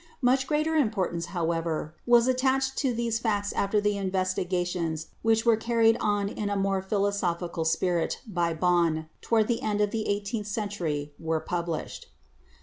Much greater impor CELL LIFE 6r tance, however, was attached to these facts after the in vestigations which were carried on in a more philosophical spirit by Bahn toward the end of the eighteenth century were published.